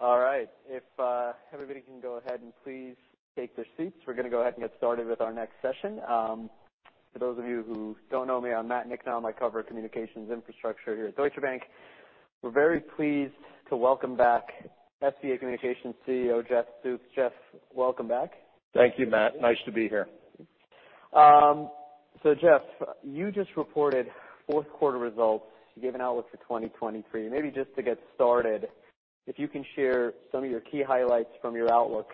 All right. If everybody can go ahead and please take their seats, we're gonna go ahead and get started with our next session. For those of you who don't know me, I'm Matt Niknam, I cover communications infrastructure here at Deutsche Bank. We're very pleased to welcome back SBA Communications CEO, Jeff Stoops. Jeff, welcome back. Thank you, Matt. Nice to be here. Jeff, you just reported fourth quarter results. You gave an outlook for 2023. Maybe just to get started, if you can share some of your key highlights from your outlook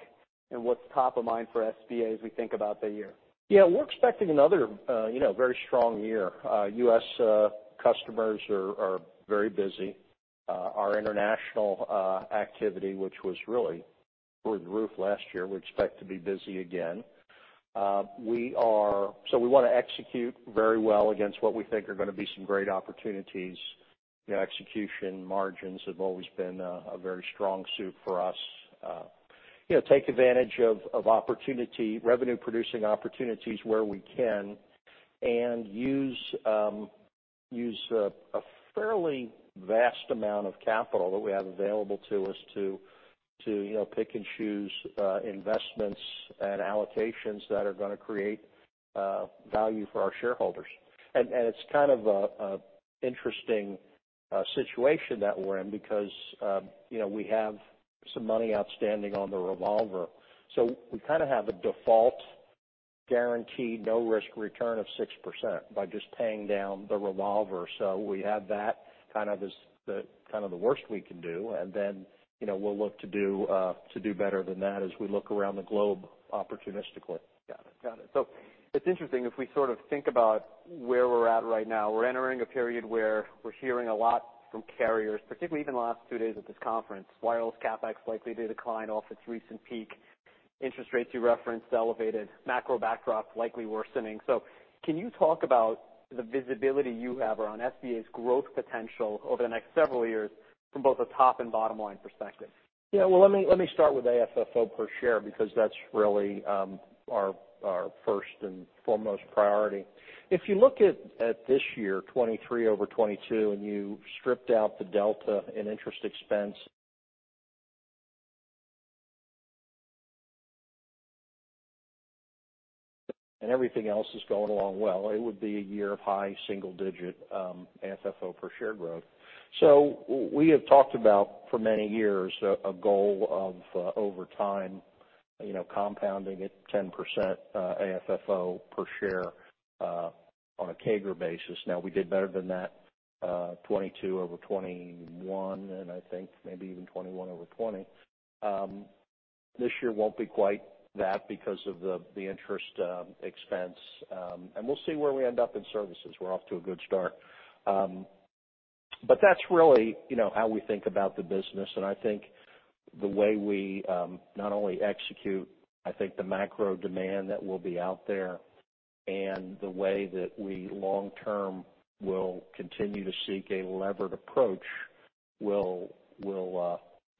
and what's top of mind for SBA as we think about the year. Yeah, we're expecting another, you know, very strong year. U.S. customers are very busy. Our international activity, which was really through the roof last year, we expect to be busy again. So we wanna execute very well against what we think are gonna be some great opportunities. You know, execution margins have always been a very strong suit for us. You know, take advantage of opportunity, revenue producing opportunities where we can and use a fairly vast amount of capital that we have available to us to, you know, pick and choose investments and allocations that are gonna create value for our shareholders. And it's kind of interesting situation that we're in because, you know, we have some money outstanding on the revolver. We kind of have a default guarantee, no risk return of 6% by just paying down the revolver. We have that kind of as the, kind of the worst we can do, and then, you know, we'll look to do better than that as we look around the globe opportunistically. Got it. Got it. It's interesting, if we sort of think about where we're at right now, we're entering a period where we're hearing a lot from carriers, particularly even the last two days at this conference, wireless CapEx likely to decline off its recent peak, interest rates you referenced elevated, macro backdrop likely worsening. Can you talk about the visibility you have around SBA's growth potential over the next several years from both a top and bottom line perspective? Yeah. Well, let me start with AFFO per share, because that's really our first and foremost priority. If you look at this year, 2023 over 2022, and you stripped out the delta in interest expense, and everything else is going along well, it would be a year of high single digit AFFO per share growth. We have talked about, for many years, a goal of over time, you know, compounding at 10% AFFO per share on a CAGR basis. We did better than that, 2022 over 2021, and I think maybe even 2021 over 2020. This year won't be quite that because of the interest expense. We'll see where we end up in services. We're off to a good start. That's really, you know, how we think about the business. I think the way we not only execute, I think the macro demand that will be out there and the way that we long term will continue to seek a levered approach will,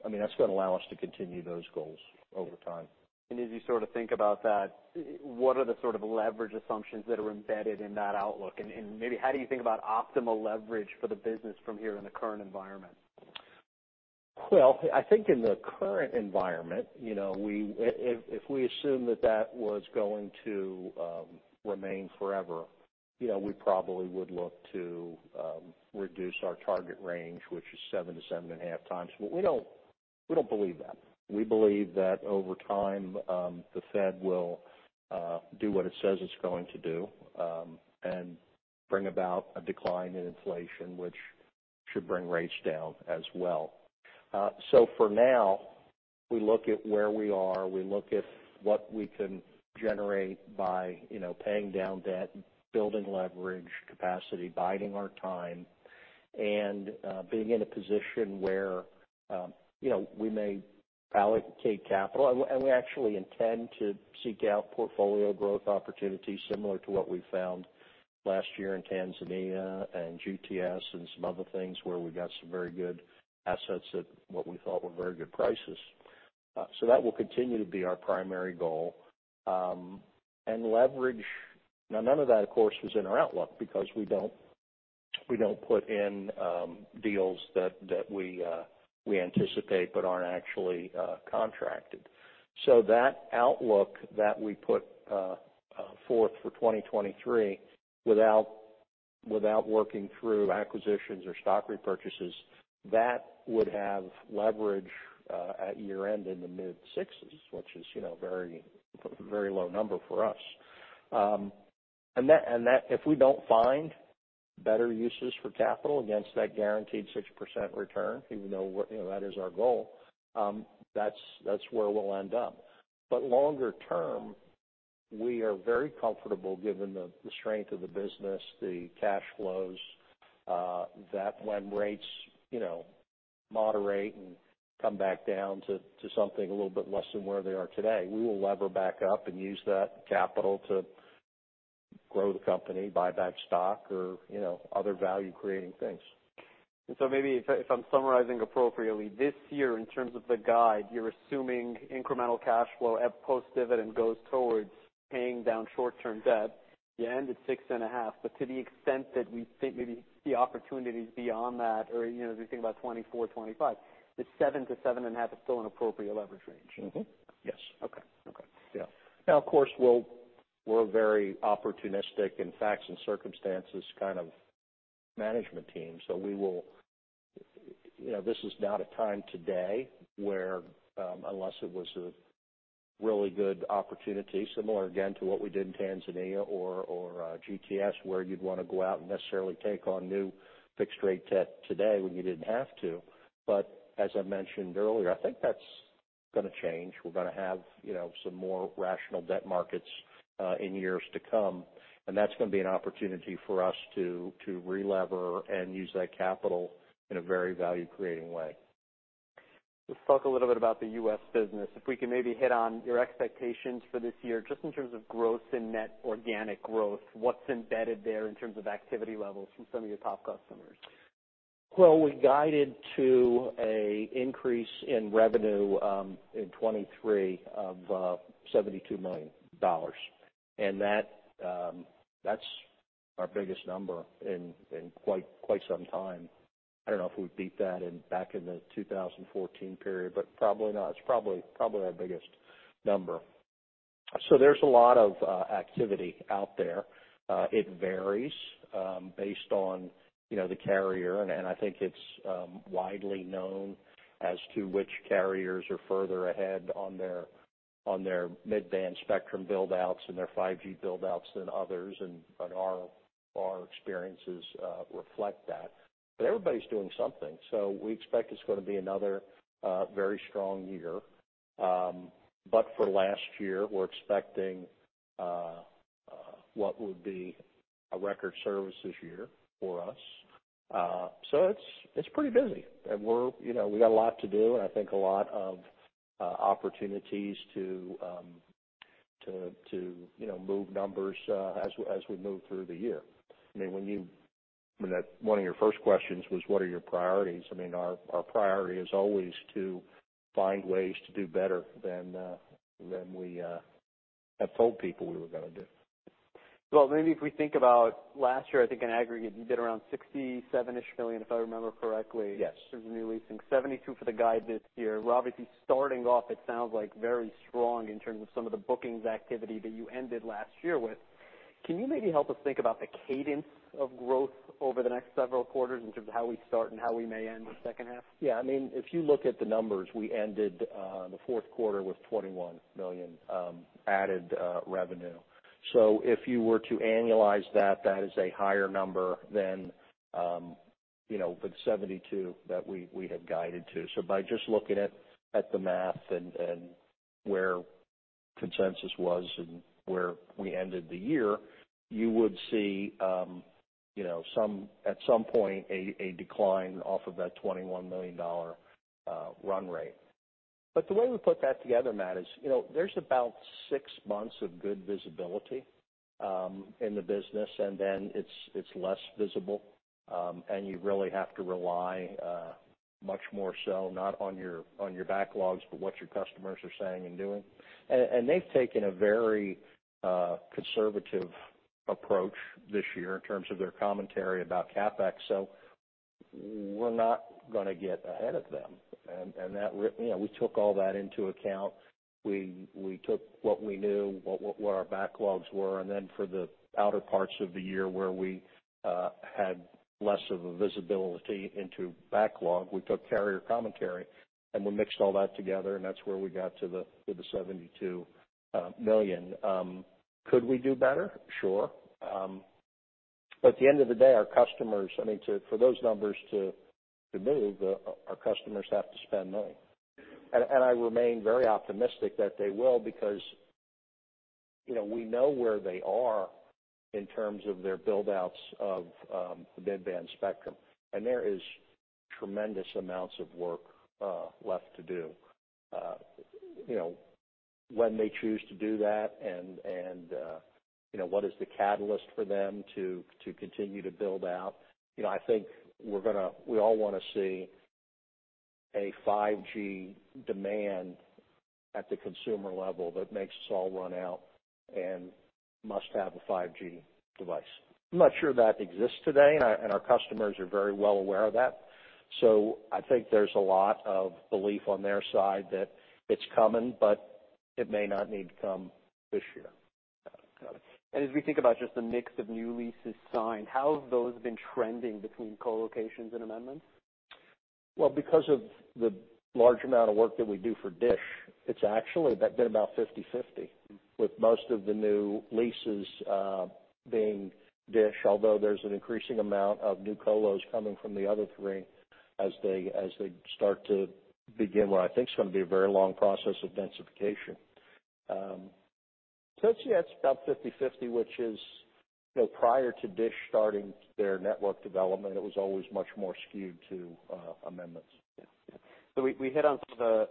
I mean, that's gonna allow us to continue those goals over time. As you sort of think about that, what are the sort of leverage assumptions that are embedded in that outlook? Maybe how do you think about optimal leverage for the business from here in the current environment? Well, I think in the current environment, you know, If we assume that that was going to remain forever, you know, we probably would look to reduce our target range, which is 7-7.5x. We don't believe that. We believe that over time, the Fed will do what it says it's going to do, and bring about a decline in inflation, which should bring rates down as well. For now, we look at where we are. We look at what we can generate by, you know, paying down debt, building leverage capacity, biding our time, and being in a position where, you know, we may allocate capital. We actually intend to seek out portfolio growth opportunities similar to what we found last year in Tanzania and GTS and some other things where we got some very good assets at what we thought were very good prices. That will continue to be our primary goal. And leverage. None of that, of course, was in our outlook because we don't put in deals that we anticipate but aren't actually contracted. That outlook that we put forth for 2023 without working through acquisitions or stock repurchases, that would have leverage at year-end in the mid-sixties, which is, you know, very, very low number for us. If we don't find better uses for capital against that guaranteed 6% return, even though, you know, that is our goal, that's where we'll end up. Longer term, we are very comfortable given the strength of the business, the cash flows, that when rates, you know, moderate and come back down to something a little bit less than where they are today, we will lever back up and use that capital to grow the company, buy back stock or, you know, other value-creating things. Maybe if I'm summarizing appropriately, this year, in terms of the guide, you're assuming incremental cash flow at post dividend goes towards paying down short-term debt. You end at 6.5. To the extent that we think maybe the opportunities beyond that or, you know, as we think about 2024, 2025, the 7-7.5 is still an appropriate leverage range. Mm-hmm. Yes. Okay. Yeah. Now, of course, we're very opportunistic in facts and circumstances kind of management team. We will, you know, this is not a time today where, unless it was a really good opportunity, similar again to what we did in Tanzania or GTS, where you'd wanna go out and necessarily take on new fixed rate debt today when you didn't have to. As I mentioned earlier, I think that's gonna change. We're gonna have, you know, some more rational debt markets in years to come, and that's gonna be an opportunity for us to relever and use that capital in a very value-creating way. Let's talk a little bit about the U.S. business. If we can maybe hit on your expectations for this year, just in terms of growth and net organic growth, what's embedded there in terms of activity levels from some of your top customers? Well, we guided to a increase in revenue in 2023 of $72 million. That's our biggest number in quite some time. I don't know if we beat that in back in the 2014 period, but probably not. It's probably our biggest number. There's a lot of activity out there. It varies based on, you know, the carrier. I think it's widely known as to which carriers are further ahead on their mid-band spectrum build-outs and their 5G build-outs than others. Our experiences reflect that. Everybody's doing something. We expect it's gonna be another very strong year. For last year, we're expecting what would be a record services year for us. It's pretty busy. We're, you know, we got a lot to do, and I think a lot of opportunities to, you know, move numbers as we move through the year. I mean, one of your first questions was, what are your priorities? I mean, our priority is always to find ways to do better than we have told people we were gonna do. Well, maybe if we think about last year, I think in aggregate, you did around $67-ish million, if I remember correctly. Yes. In terms of new leasing. 72 for the guide this year. We're obviously starting off, it sounds like very strong in terms of some of the bookings activity that you ended last year with. Can you maybe help us think about the cadence of growth over the next several quarters in terms of how we start and how we may end the second half? Yeah. I mean, if you look at the numbers, we ended the fourth quarter with $21 million added revenue. If you were to annualize that is a higher number than, you know, the $72 that we had guided to. By just looking at the math and where consensus was and where we ended the year, you would see, you know, some, at some point a decline off of that $21 million run rate. The way we put that together, Matt, is, you know, there's about 6 months of good visibility in the business, and then it's less visible. You really have to rely much more so not on your backlogs, but what your customers are saying and doing. They've taken a very conservative approach this year in terms of their commentary about CapEx, so we're not gonna get ahead of them. That you know, we took all that into account. We took what we knew, what our backlogs were, and then for the outer parts of the year where we had less of a visibility into backlog, we took carrier commentary, and we mixed all that together and that's where we got to the $72 million. Could we do better? Sure. At the end of the day, our customers, I mean, for those numbers to move, our customers have to spend money. I remain very optimistic that they will because, you know, we know where they are in terms of their build outs of the mid-band spectrum. There is tremendous amounts of work left to do. You know, when they choose to do that and, you know, what is the catalyst for them to continue to build out? You know, I think we all wanna see a 5G demand at the consumer level that makes us all run out and must have a 5G device. I'm not sure that exists today, and our customers are very well aware of that. I think there's a lot of belief on their side that it's coming, but it may not need to come this year. Got it. Got it. As we think about just the mix of new leases signed, how have those been trending between co-locations and amendments? Well, because of the large amount of work that we do for Dish, it's actually been about 50/50, with most of the new leases being Dish. Although there's an increasing amount of new colos coming from the other three as they start to begin what I think is gonna be a very long process of densification. I'd say that's about 50/50, which is, you know, prior to Dish starting their network development, it was always much more skewed to amendments. Yeah. Yeah. We hit on some of the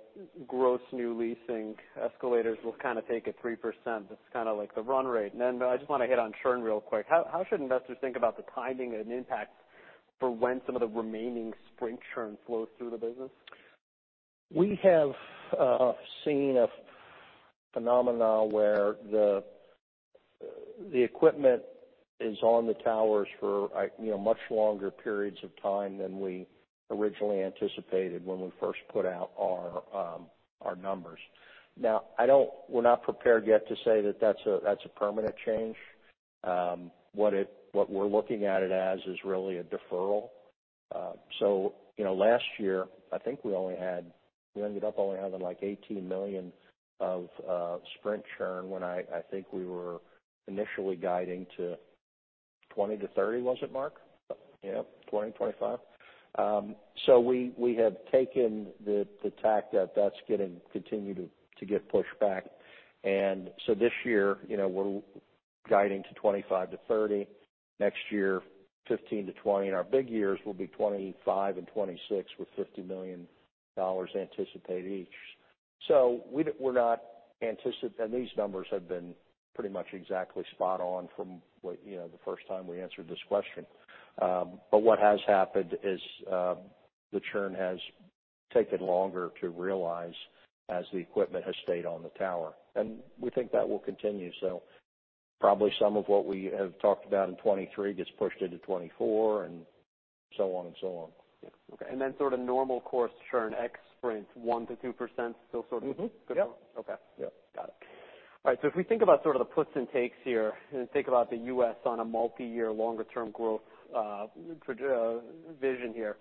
gross new leasing escalators. We'll kind of take it 3%. That's kind of like the run rate. I just want to hit on churn real quick. How should investors think about the timing and impact for when some of the remaining Sprint churn flows through the business? We have seen a phenomena where the equipment is on the towers for, you know, much longer periods of time than we originally anticipated when we first put out our numbers. Now, we're not prepared yet to say that that's a, that's a permanent change. What we're looking at it as is really a deferral. So, you know, last year, I think we only had, we ended up only having like $18 million of Sprint churn when I think we were initially guiding to 20-30, was it Mark? Yep, 20-25. So we have taken the tact that that's gonna continue to get pushed back. This year, you know, we're guiding to 25-30. Next year, $15 million-$20 million. Our big years will be 2025 and 2026 with $50 million anticipated each. These numbers have been pretty much exactly spot on from what, you know, the first time we answered this question. What has happened is, the churn has taken longer to realize as the equipment has stayed on the tower, and we think that will continue. Probably some of what we have talked about in 2023 gets pushed into 2024, and so on and so on. Yeah. Okay. Then sort of normal course churn, ex Sprint 1%-2%, still sort of. Mm-hmm. Yep. Okay. Yep. Got it. All right. If we think about sort of the puts and takes here, and think about the U.S. on a multi-year longer term growth, vision here,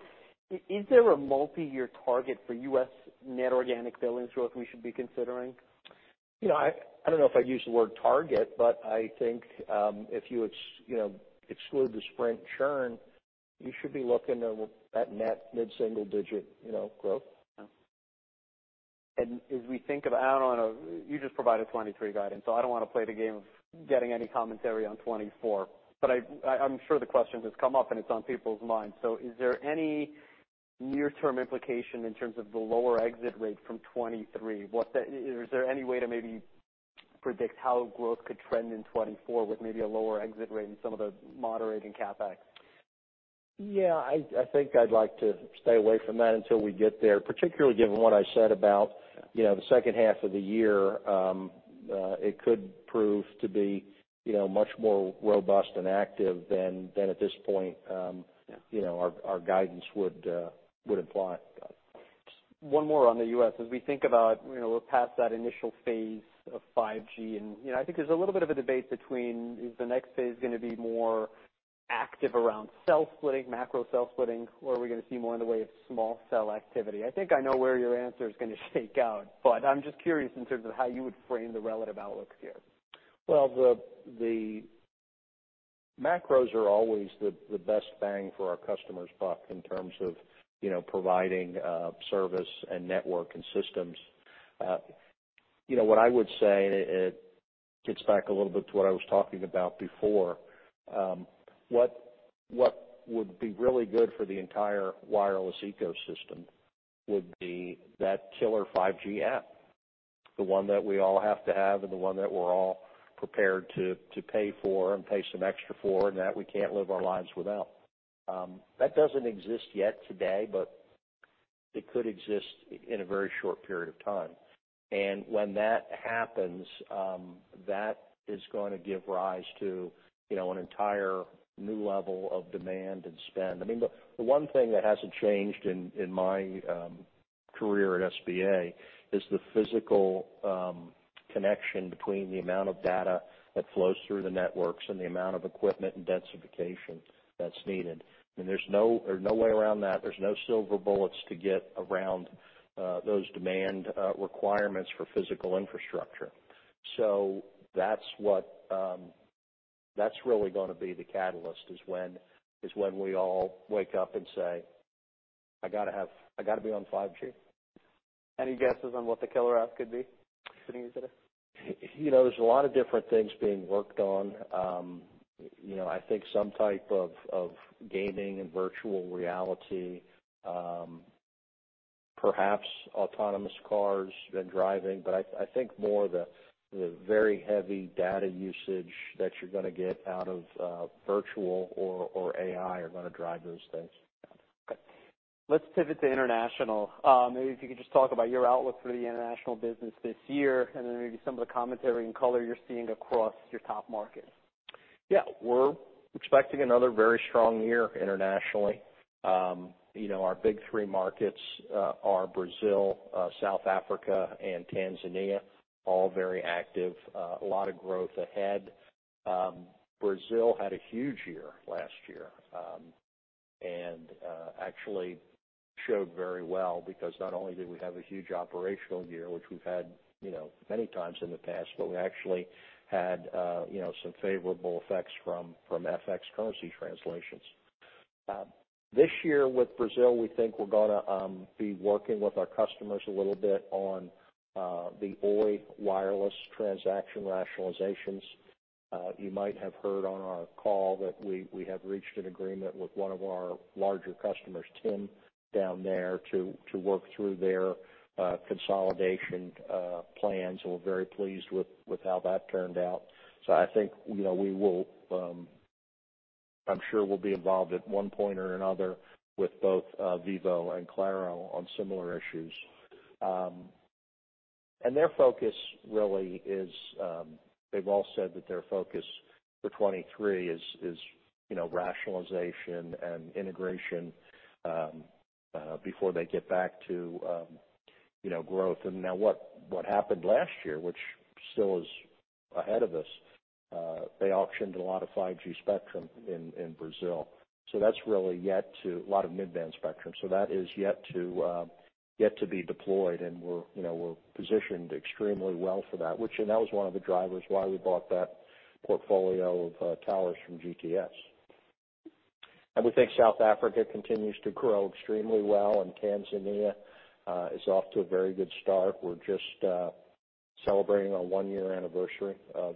is there a multi-year target for U.S. net organic billings growth we should be considering? You know, I don't know if I'd use the word target, but I think, if you you know, exclude the Sprint churn, you should be looking at net mid-single digit, you know, growth. Yeah. As we think of out on. You just provided 2023 guidance, I don't wanna play the game of getting any commentary on 2024, I'm sure the question has come up and it's on people's minds. Is there any near-term implication in terms of the lower exit rate from 2023? Is there any way to maybe predict how growth could trend in 2024 with maybe a lower exit rate and some of the moderating CapEx? Yeah. I think I'd like to stay away from that until we get there, particularly given what I said about, you know, the second half of the year. It could prove to be, you know, much more robust and active than at this point, you know, our guidance would imply. Got it. One more on the U.S. As we think about, you know, we're past that initial phase of 5G, you know, I think there's a little bit of a debate between is the next phase gonna be more active around cell splitting, macro cell splitting? Are we gonna see more in the way of small cell activity? I think I know where your answer is gonna shake out, but I'm just curious in terms of how you would frame the relative outlooks here. Well, the macros are always the best bang for our customers' buck in terms of, you know, providing service and network and systems. You know, what I would say, it gets back a little bit to what I was talking about before. What would be really good for the entire wireless ecosystem would be that killer 5G app, the one that we all have to have and the one that we're all prepared to pay for and pay some extra for and that we can't live our lives without. That doesn't exist yet today, but it could exist in a very short period of time. When that happens, that is gonna give rise to, you know, an entire new level of demand and spend. I mean, the one thing that hasn't changed in my career at SBA is the physical connection between the amount of data that flows through the networks and the amount of equipment and densification that's needed. I mean, there's no way around that. There's no silver bullets to get around those demand requirements for physical infrastructure. That's what that's really gonna be the catalyst is when we all wake up and say, "I gotta be on 5G. Any guesses on what the killer app could be sitting here today? You know, there's a lot of different things being worked on. You know, I think some type of gaming and virtual reality, perhaps autonomous cars and driving. I think more the very heavy data usage that you're gonna get out of, virtual or AI are gonna drive those things. Okay. Let's pivot to international. Maybe if you could just talk about your outlook for the international business this year, and then maybe some of the commentary and color you're seeing across your top markets. Yeah. We're expecting another very strong year internationally. you know, our big three markets are Brazil, South Africa and Tanzania, all very active, a lot of growth ahead. Brazil had a huge year last year, and actually showed very well because not only did we have a huge operational year, which we've had, you know, many times in the past, but we actually had, you know, some favorable effects from FX currency translations. This year with Brazil, we think we're gonna be working with our customers a little bit on the Oi wireless transaction rationalizations. You might have heard on our call that we have reached an agreement with one of our larger customers, TIM, down there to work through their consolidation plans, and we're very pleased with how that turned out. I think, you know, we will, I'm sure we'll be involved at one point or another with both Vivo and Claro on similar issues. Their focus really is, they've all said that their focus for 2023 is, you know, rationalization and integration, before they get back to, you know, growth. Now what happened last year, which still is ahead of us, they auctioned a lot of 5G spectrum in Brazil. That's really yet to. A lot of mid-band spectrum, so that is yet to be deployed, and we're, you know, we're positioned extremely well for that, which. That was one of the drivers why we bought that portfolio of towers from GTS. We think South Africa continues to grow extremely well, and Tanzania is off to a very good start. We're just celebrating our one-year anniversary of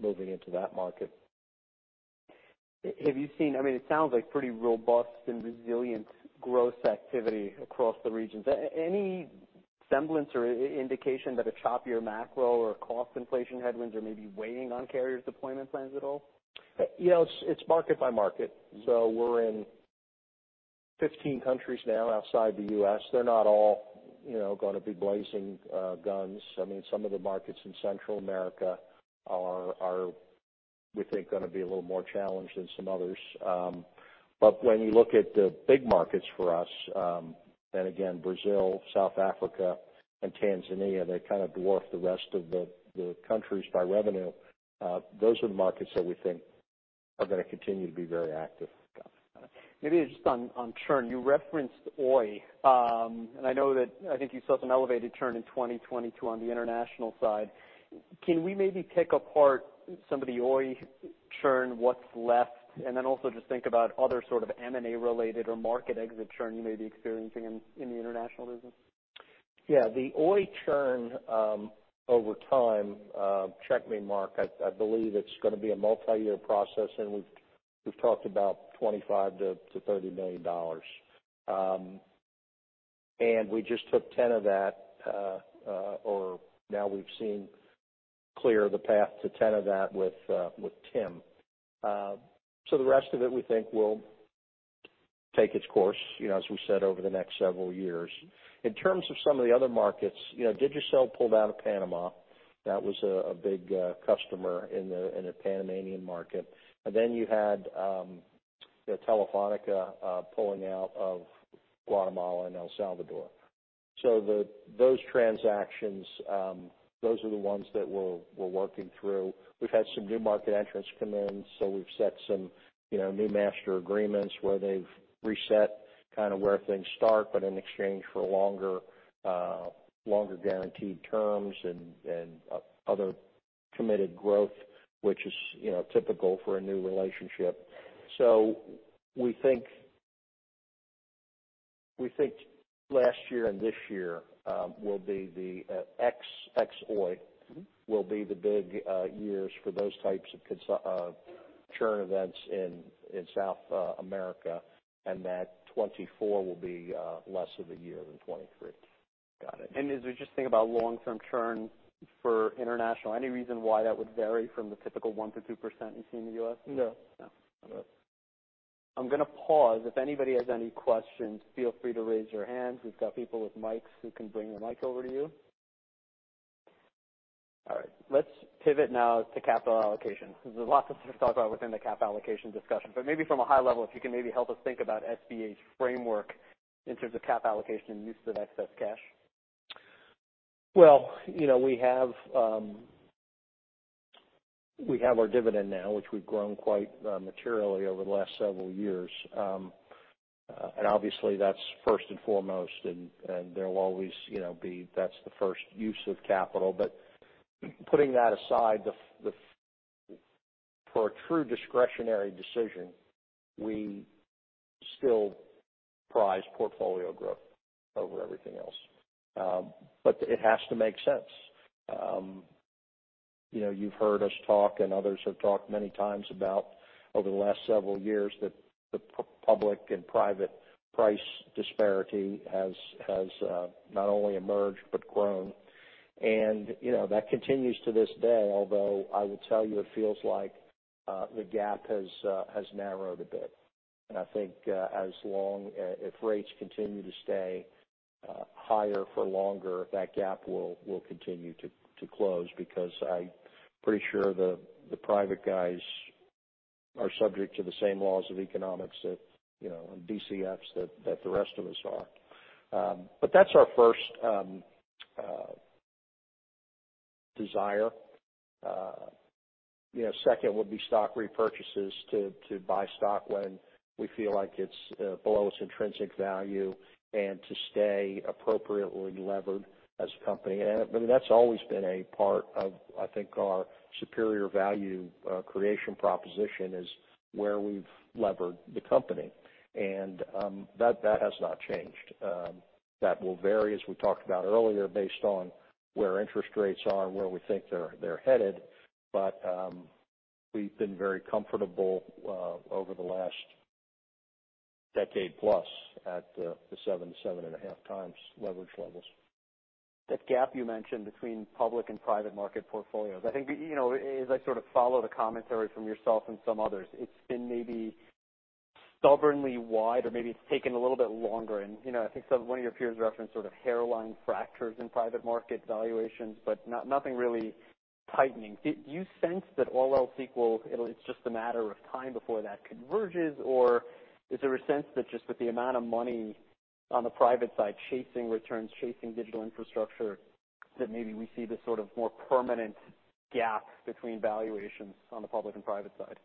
moving into that market. I mean, it sounds like pretty robust and resilient growth activity across the regions. Any semblance or indication that a choppier macro or cost inflation headwinds are maybe weighing on carriers' deployment plans at all? You know, it's market by market. We're in 15 countries now outside the U.S. They're not all, you know, gonna be blazing guns. I mean, some of the markets in Central America are, we think, gonna be a little more challenged than some others. When you look at the big markets for us, and again, Brazil, South Africa and Tanzania, they kind of dwarf the rest of the countries by revenue. Those are the markets that we think are gonna continue to be very active. Got it. Maybe just on churn, you referenced Oi. I know that I think you saw some elevated churn in 2022 on the international side. Can we maybe pick apart some of the Oi churn, what's left? Also just think about other sort of M&A-related or market exit churn you may be experiencing in the international business. The Oi churn, over time, check me, Mark, I believe it's gonna be a multi-year process, we've talked about $25 million-$30 million. We just took $10 million of that, or now we've seen clear the path to $10 million of that with TIM. The rest of it, we think, will take its course, you know, as we said, over the next several years. In terms of some of the other markets, you know, Digicel pulled out of Panama. That was a big customer in the Panamanian market. You had, you know, Telefónica pulling out of Guatemala and El Salvador. Those transactions, those are the ones that we're working through. We've had some new market entrants come in, so we've set some, you know, new master agreements where they've reset kind of where things start, but in exchange for longer guaranteed terms and other committed growth, which is, you know, typical for a new relationship. We think last year and this year will be the ex Oi will be the big years for those types of churn events in South America, and that 2024 will be less of a year than 2023. Got it. As we just think about long-term churn for international, any reason why that would vary from the typical 1%-2% you see in the U.S.? No. No. All right. I'm gonna pause. If anybody has any questions, feel free to raise your hands. We've got people with mics who can bring the mic over to you. All right, let's pivot now to capital allocation. There's lots to talk about within the cap allocation discussion, but maybe from a high level, if you can maybe help us think about SBA framework in terms of cap allocation and use of excess cash. Well, you know, we have, we have our dividend now, which we've grown quite materially over the last several years. Obviously, that's first and foremost, and there'll always, you know, be that's the first use of capital. Putting that aside, the for a true discretionary decision, we still prize portfolio growth over everything else. It has to make sense. You know, you've heard us talk and others have talked many times about over the last several years that the public and private price disparity has not only emerged but grown. You know, that continues to this day, although I will tell you it feels like the gap has narrowed a bit. I think, as long, if rates continue to stay higher for longer, that gap will continue to close because I'm pretty sure the private guys are subject to the same laws of economics that, you know, and DCFs that the rest of us are. That's our first desire. You know, second would be stock repurchases to buy stock when we feel like it's below its intrinsic value and to stay appropriately levered as a company. I mean, that's always been a part of, I think, our superior value creation proposition is where we've levered the company. That has not changed. That will vary, as we talked about earlier, based on where interest rates are and where we think they're headed. We've been very comfortable over the last decade plus at the 7.5x leverage levels. That gap you mentioned between public and private market portfolios, I think, you know, as I sort of follow the commentary from yourself and some others, it's been maybe stubbornly wide or maybe it's taken a little bit longer. You know, I think one of your peers referenced sort of hairline fractures in private market valuations, but nothing really tightening. Do you sense that all else equal, it's just a matter of time before that converges, or is there a sense that just with the amount of money on the private side chasing returns, chasing digital infrastructure, that maybe we see this sort of more permanent gap between valuations on the public and private side?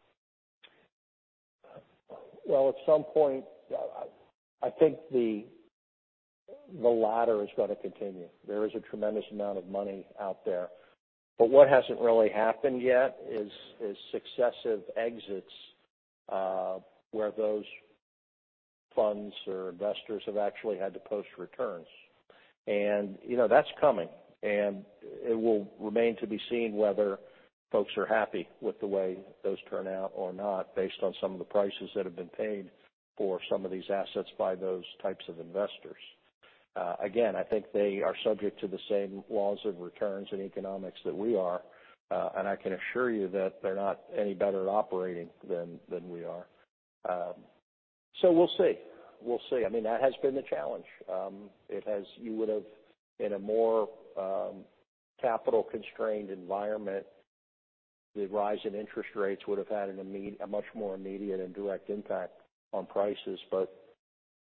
Well, at some point, I think the latter is gonna continue. There is a tremendous amount of money out there, but what hasn't really happened yet is successive exits, where those funds or investors have actually had to post returns. You know, that's coming, and it will remain to be seen whether folks are happy with the way those turn out or not, based on some of the prices that have been paid for some of these assets by those types of investors. Again, I think they are subject to the same laws of returns and economics that we are, and I can assure you that they're not any better at operating than we are. We'll see. We'll see. I mean that has been the challenge. you would have in a more, capital constrained environment, the rise in interest rates would've had a much more immediate and direct impact on prices.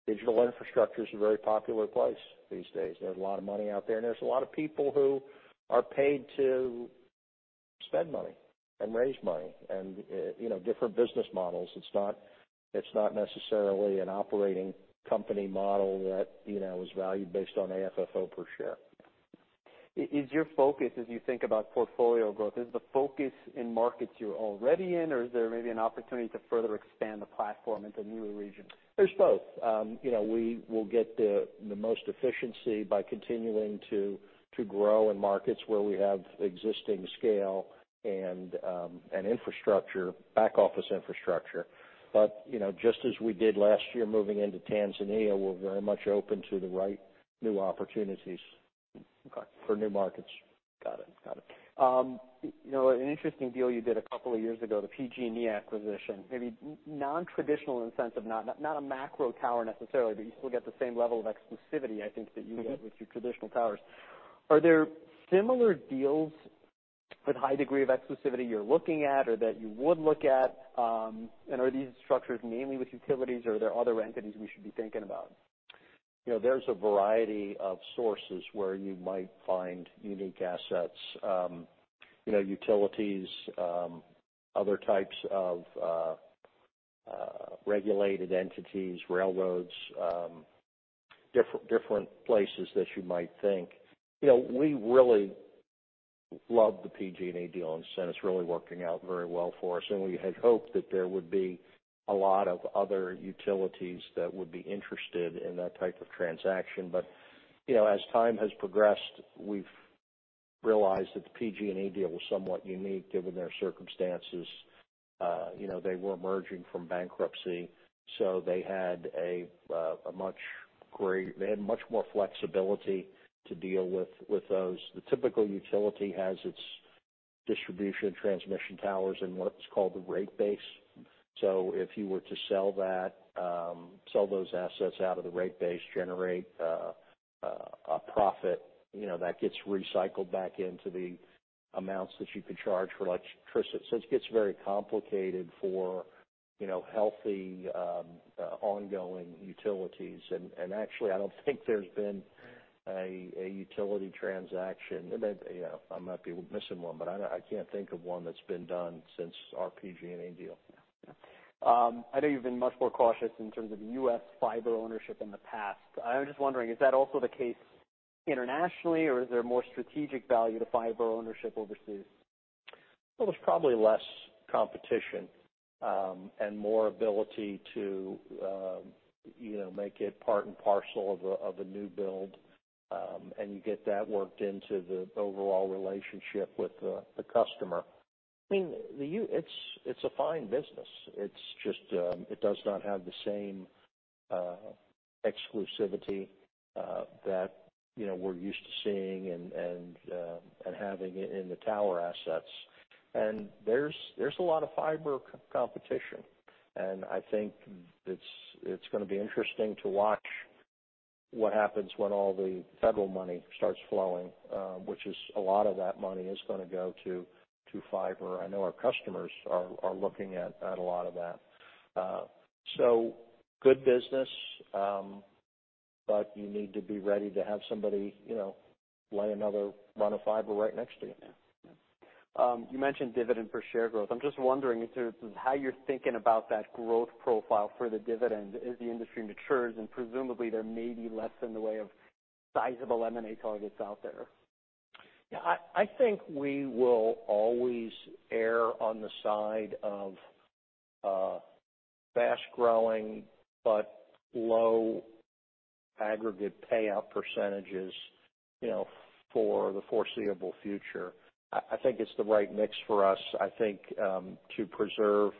Digital infrastructure is a very popular place these days. There's a lot of money out there, and there's a lot of people who are paid to spend money and raise money and, you know, different business models. It's not necessarily an operating company model that, you know, is valued based on AFFO per share. Is your focus as you think about portfolio growth, is the focus in markets you're already in, or is there maybe an opportunity to further expand the platform into newer regions? There's both. You know, we will get the most efficiency by continuing to grow in markets where we have existing scale and infrastructure, back office infrastructure. You know, just as we did last year moving into Tanzania, we're very much open to the right new opportunities. Okay. for new markets. Got it. Got it. You know, an interesting deal you did a couple of years ago, the PG&E acquisition, maybe nontraditional in the sense of not a macro tower necessarily, but you still get the same level of exclusivity, I think- Mm-hmm. that you get with your traditional towers. Are there similar deals with high degree of exclusivity you're looking at or that you would look at? Are these structures mainly with utilities or are there other entities we should be thinking about? You know, there's a variety of sources where you might find unique assets. You know, utilities, other types of regulated entities, railroads, different places that you might think. You know, we really love the PG&E deal, and it's really working out very well for us, and we had hoped that there would be a lot of other utilities that would be interested in that type of transaction. You know, as time has progressed, we've realized that the PG&E deal was somewhat unique given their circumstances. You know, they were emerging from bankruptcy, so they had much more flexibility to deal with those. The typical utility has its distribution transmission towers in what's called the rate base. If you were to sell that, sell those assets out of the rate base, generate a profit, you know, that gets recycled back into the amounts that you could charge for electricity. It gets very complicated for, you know, healthy, ongoing utilities. Actually, I don't think there's been a utility transaction. You know, I might be missing one, but I can't think of one that's been done since our PG&E deal. Yeah. I know you've been much more cautious in terms of U.S. fiber ownership in the past. I'm just wondering, is that also the case internationally or is there more strategic value to fiber ownership overseas? Well, there's probably less competition, and more ability to, you know, make it part and parcel of a new build, and you get that worked into the overall relationship with the customer. I mean, It's a fine business. It's just, it does not have the same exclusivity that, you know, we're used to seeing and having it in the tower assets. There's a lot of fiber competition, and I think it's gonna be interesting to watch what happens when all the federal money starts flowing, which is a lot of that money is gonna go to fiber. I know our customers are looking at a lot of that. Good business, but you need to be ready to have somebody, you know, lay another run of fiber right next to you. Yeah. Yeah. You mentioned dividend per share growth. I'm just wondering in terms of how you're thinking about that growth profile for the dividend as the industry matures, and presumably there may be less in the way of sizable M&A targets out there. Yeah. I think we will always err on the side of fast-growing but low Aggregate payout percentages, you know, for the foreseeable future. I think it's the right mix for us, I think, to preserve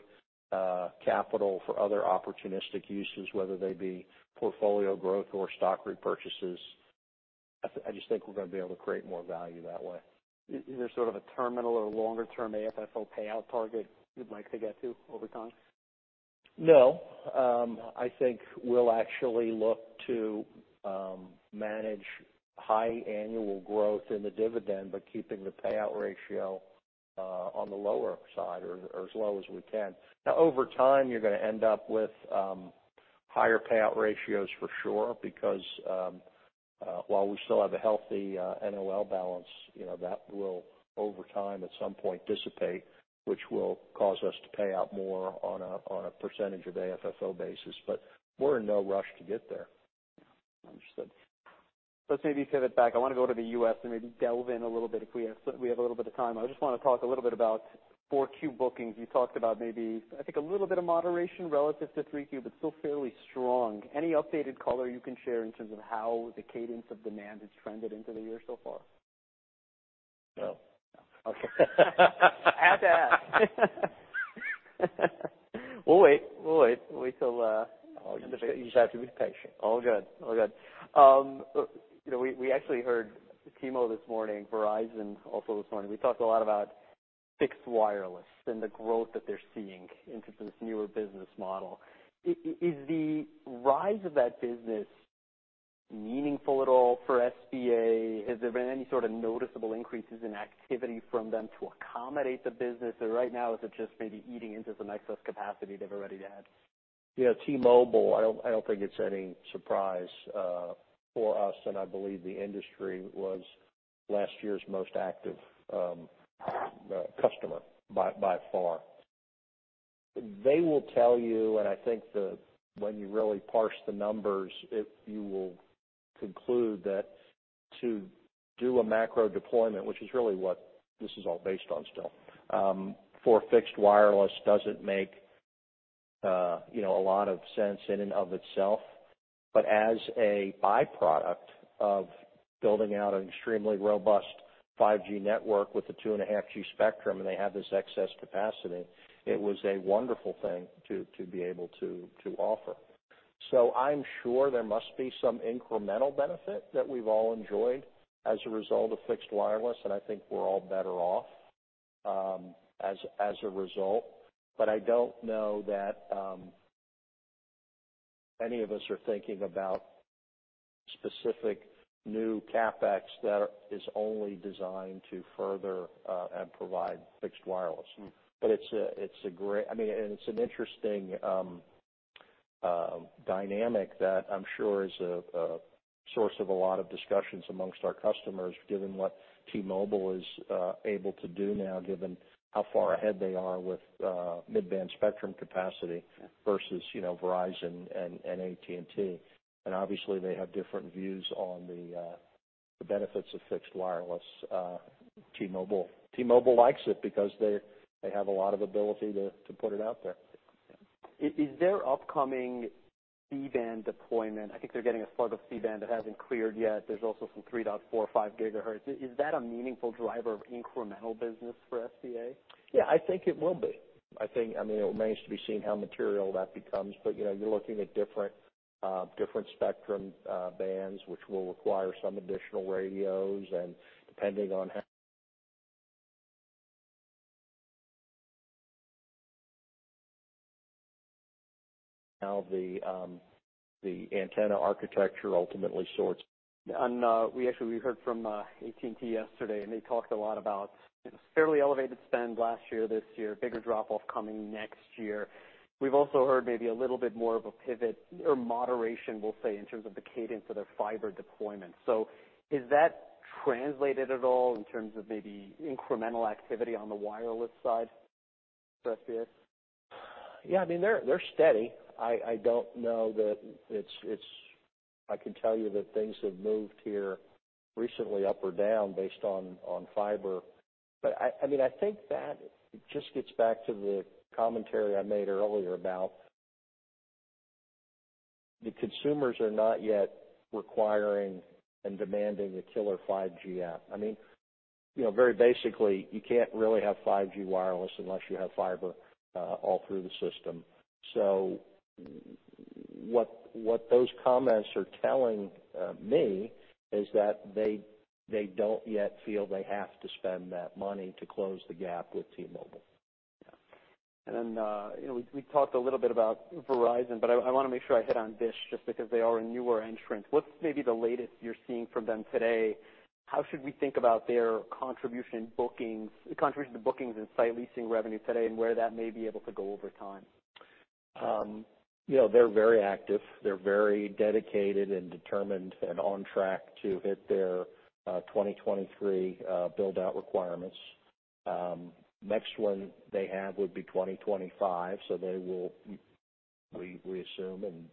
capital for other opportunistic uses, whether they be portfolio growth or stock repurchases. I just think we're gonna be able to create more value that way. Is there sort of a terminal or longer-term AFFO payout target you'd like to get to over time? No. I think we'll actually look to manage high annual growth in the dividend by keeping the payout ratio on the lower side or as low as we can. Over time, you're gonna end up with higher payout ratios for sure, because while we still have a healthy NOL balance, you know, that will over time, at some point dissipate, which will cause us to pay out more on a percentage of AFFO basis, but we're in no rush to get there. Understood. Let's maybe pivot back. I wanna go to the U.S. and maybe delve in a little bit if we have, we have a little bit of time. I just wanna talk a little bit about 4-Q bookings. You talked about maybe, I think, a little bit of moderation relative to 3-Q, but still fairly strong. Any updated color you can share in terms of how the cadence of demand has trended into the year so far? No. Okay. Had to ask. We'll wait. We'll wait. We'll wait till. Oh, you just have to be patient. All good. All good. You know, we actually heard T-Mo this morning, Verizon also this morning, we talked a lot about fixed wireless and the growth that they're seeing in terms of this newer business model. Is the rise of that business meaningful at all for SBA? Has there been any sort of noticeable increases in activity from them to accommodate the business? Right now, is it just maybe eating into some excess capacity they've already had? Yeah. T-Mobile, I don't think it's any surprise for us, I believe the industry was last year's most active customer by far. They will tell you, I think when you really parse the numbers, you will conclude that to do a macro deployment, which is really what this is all based on still, for fixed wireless, doesn't make, you know, a lot of sense in and of itself. As a byproduct of building out an extremely robust 5G network with the 2.5 GHz spectrum, they have this excess capacity, it was a wonderful thing to be able to offer. I'm sure there must be some incremental benefit that we've all enjoyed as a result of fixed wireless, I think we're all better off as a result. I don't know that any of us are thinking about specific new CapEx that is only designed to further and provide fixed wireless. Mm. It's a great, I mean, and it's an interesting dynamic that I'm sure is a source of a lot of discussions amongst our customers, given what T-Mobile is able to do now, given how far ahead they are with mid-band spectrum capacity. Yeah. versus, you know, Verizon and AT&T. obviously they have different views on the benefits of fixed wireless. T-Mobile likes it because they have a lot of ability to put it out there. Is their upcoming C-band deployment, I think they're getting a slug of C-band that hasn't cleared yet. There's also some 3.45 GHz. Is that a meaningful driver of incremental business for SBA? I think it will be. I mean, it remains to be seen how material that becomes, but, you know, you're looking at different spectrum bands, which will require some additional radios, and depending on how the antenna architecture ultimately sorts. We actually, we heard from AT&T yesterday, and they talked a lot about fairly elevated spend last year, this year, bigger drop-off coming next year. We've also heard maybe a little bit more of a pivot or moderation, we'll say, in terms of the cadence of their fiber deployment. Has that translated at all in terms of maybe incremental activity on the wireless side for SBA? Yeah. I mean, they're steady. I don't know that I can tell you that things have moved here recently up or down based on fiber. I mean, I think that just gets back to the commentary I made earlier about the consumers are not yet requiring and demanding a killer 5G app. I mean, you know, very basically, you can't really have 5G wireless unless you have fiber all through the system. What those comments are telling me is that they don't yet feel they have to spend that money to close the gap with T-Mobile. Yeah. you know, we talked a little bit about Verizon, but I wanna make sure I hit on Dish just because they are a newer entrant. What's maybe the latest you're seeing from them today? How should we think about their contribution to bookings and site leasing revenue today, and where that may be able to go over time? You know, they're very active. They're very dedicated and determined and on track to hit their 2023 build-out requirements. Next one they have would be 2025. They will, we assume, and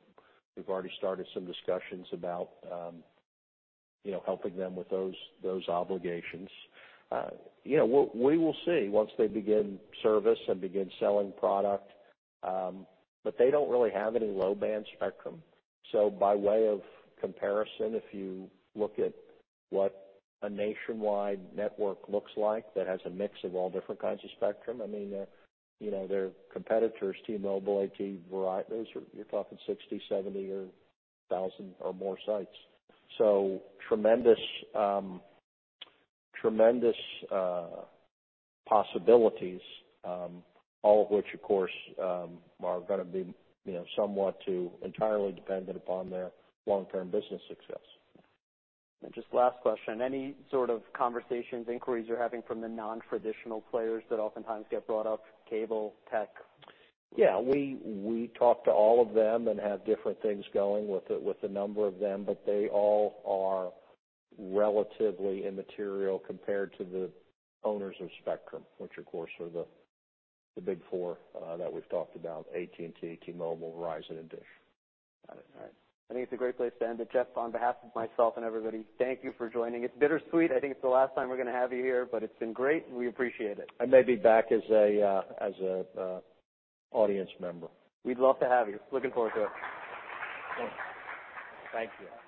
we've already started some discussions about, you know, helping them with those obligations. You know, we will see once they begin service and begin selling product. They don't really have any low-band spectrum. By way of comparison, if you look at what a nationwide network looks like that has a mix of all different kinds of spectrum, I mean, you know, their competitors, T-Mobile, AT&T, Verizon. Those are. You're talking 60, 70 or 1,000 or more sites. Tremendous possibilities, all of which, of course, are gonna be, you know, somewhat to entirely dependent upon their long-term business success. Just last question. Any sort of conversations, inquiries you're having from the non-traditional players that oftentimes get brought up, cable, tech? Yeah. We talk to all of them and have different things going with a number of them, but they all are relatively immaterial compared to the owners of spectrum, which of course are the big four that we've talked about, AT&T, T-Mobile, Verizon, and Dish. Got it. All right. I think it's a great place to end it. Jeff, on behalf of myself and everybody, thank you for joining. It's bittersweet. I think it's the last time we're gonna have you here, but it's been great, and we appreciate it. I may be back as a audience member. We'd love to have you. Looking forward to it. Thank you.